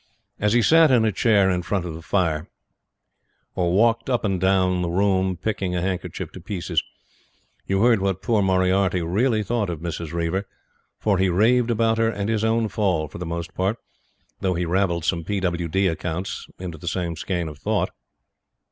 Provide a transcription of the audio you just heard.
As he sat in a chair in front of the fire, or walked up and down the room picking a handkerchief to pieces, you heard what poor Moriarty really thought of Mrs. Reiver, for he raved about her and his own fall for the most part; though he ravelled some P. W. D. accounts into the same skein of thought.